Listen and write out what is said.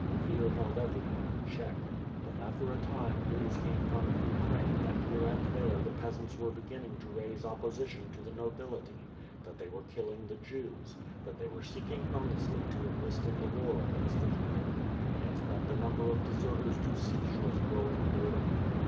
Fear held everyone in check; but after a time news came from the Ukraine that here and there the peasants were beginning to raise opposition to the nobility; that they were killing the Jews; that they were seeking earn estly to enlist in the war against the heathen; and that the number of deserters to Sicli was growing daily.